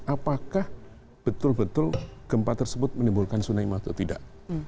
apakah betul betul gempa tersebut menimbulkan sunai maut atau tidak